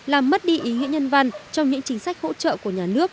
làm mất đi ý nghĩa nhân văn trong những chính sách hỗ trợ của nhà nước